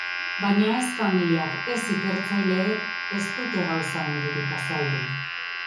Baina ez familiak ez ikertzaileek ez dute gauza handirik azaldu.